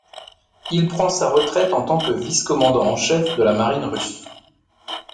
Il prend sa retraite en tant que vice-commandant-en-chef de la Marine russe.